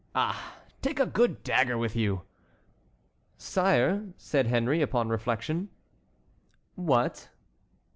Ah! take a good dagger with you!" "Sire," said Henry, "upon reflection"— "What?"